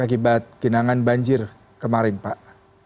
akibat genangan banjir kemarin pak